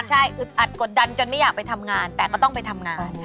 ใช่อึดอัดกดดันจนไม่อยากไปทำงานแต่ก็ต้องไปทำงาน